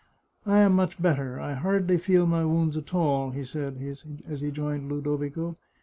" I am much better. I hardly feel my wounds at all," he said, as he joined Ludovico.